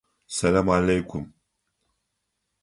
Сэлам аллейкум!